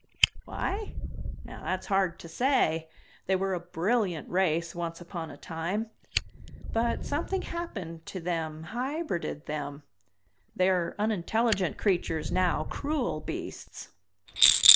"Why? Now that's hard to say. They were a brilliant race once upon a time. But something happened to them, hybrided them. They are unintelligent creatures now, cruel beasts."